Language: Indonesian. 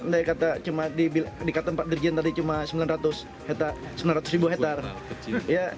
di kata pak dirjen tadi cuma sembilan ratus ribu hektare